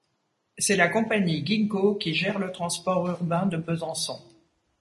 C'est la compagnie Ginko qui gère le transport urbain de Besançon.